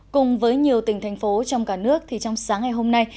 cùng với nhiều tỉnh thành phố trong cả nước thì trong sáng ngày hôm nay